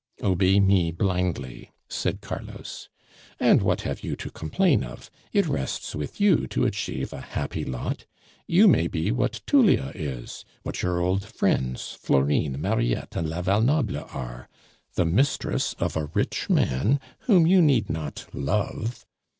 "Obey me blindly," said Carlos. "And what have you to complain of? It rests with you to achieve a happy lot. You may be what Tullia is, what your old friends Florine, Mariette, and la Val Noble are the mistress of a rich man whom you need not love.